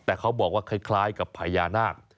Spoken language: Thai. แต่เขาบอกว่าคล้ายกับพญานาค